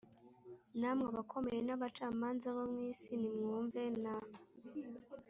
Namwe abakomeye n abacamanza bo mu isi ni mwumve na